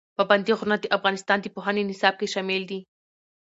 پابندی غرونه د افغانستان د پوهنې نصاب کې شامل دي.